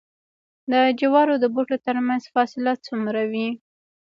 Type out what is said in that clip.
د جوارو د بوټو ترمنځ فاصله څومره وي؟